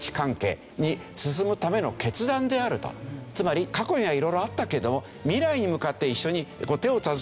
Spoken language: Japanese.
つまり過去には色々あったけど未来に向かって一緒に手を携えていこう。